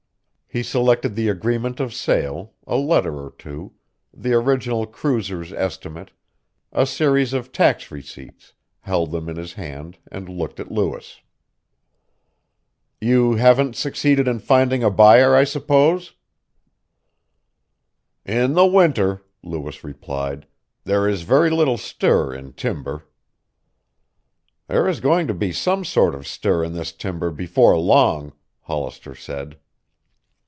He selected the agreement of sale, a letter or two, the original cruiser's estimate, a series of tax receipts, held them in his hand and looked at Lewis. "You haven't succeeded in finding a buyer, I suppose?" "In the winter," Lewis replied, "there is very little stir in timber." "There is going to be some sort of stir in this timber before long," Hollister said.